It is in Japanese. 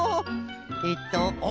えっとおっ！